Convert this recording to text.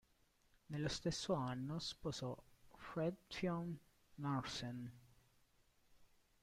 Nello stesso anno sposò Fridtjof Nansen.